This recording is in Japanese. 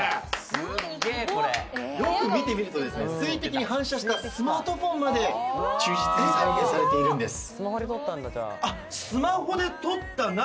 よく見てみると、水滴に反射したスマートフォンまで忠実に再現されているんです。